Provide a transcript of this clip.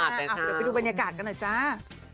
เดี๋ยวไปดูบรรยากาศกันหน่อยจ้า